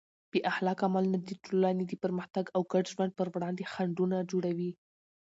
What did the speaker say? بې اخلاقه عملونه د ټولنې د پرمختګ او ګډ ژوند پر وړاندې خنډونه جوړوي.